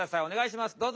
おねがいします。